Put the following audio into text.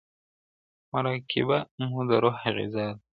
مراقبه مو د روح غذا ده.